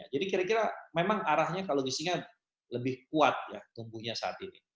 jadi kira kira memang arahnya kalau logistiknya lebih kuat ya tumbuhnya saat ini